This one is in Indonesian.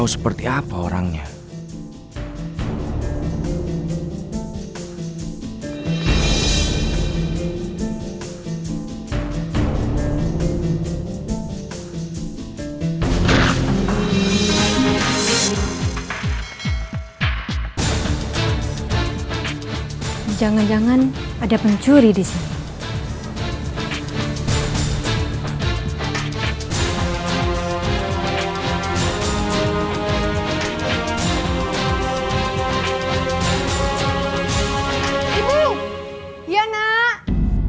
celaka ada yang datang